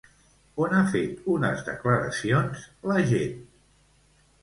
On ha fet unes declaracions l'agent?